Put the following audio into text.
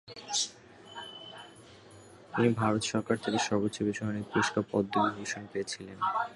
তিনি ভারত সরকার থেকে সর্বোচ্চ বেসামরিক পুরস্কার পদ্ম বিভূষণ পেয়েছিলেন।